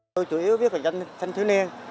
tôi chủ yếu viết về nhân thân thứ niên